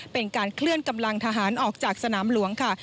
เป็นการเคลื่อนกำลังทหารออกจากสนามหลวงค่ะ